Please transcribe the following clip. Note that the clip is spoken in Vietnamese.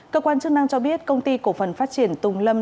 cơ quan chức năng cho biết công ty cổ phần phát triển tùng lâm